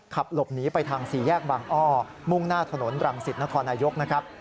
ขับหลบหนีไปทาง๔แยกบางอ้อมุ่งหน้าถนนรังสิทธิ์นธรรมนายก